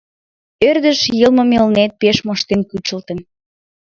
Ӧрдыж йылмым Элнет пеш моштен кучылтын.